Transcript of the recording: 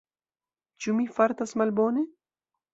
Ĉu mi fartas malbone?